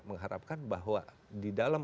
mengharapkan bahwa di dalam